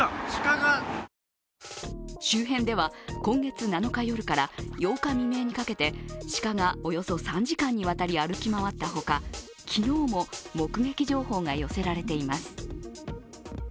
周辺では今月７日夜から８日未明にかけて鹿がおよそ３時間にわたり歩き回ったほか、昨日も目撃情報が寄せられています。